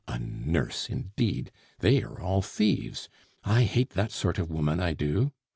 A nurse, indeed! They are all thieves; I hate that sort of woman, I do.